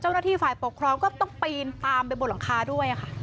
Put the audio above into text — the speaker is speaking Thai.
เจ้าหน้าที่ฝ่ายปกครองก็ต้องปีนตามไปบนหลังคาด้วยค่ะ